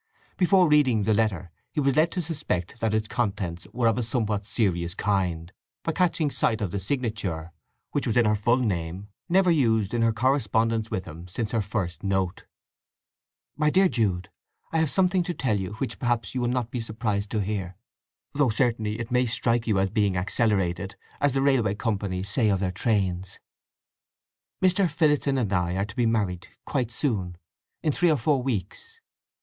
Before reading the letter he was led to suspect that its contents were of a somewhat serious kind by catching sight of the signature—which was in her full name, never used in her correspondence with him since her first note: MY DEAR JUDE,—I have something to tell you which perhaps you will not be surprised to hear, though certainly it may strike you as being accelerated (as the railway companies say of their trains). Mr. Phillotson and I are to be married quite soon—in three or four weeks.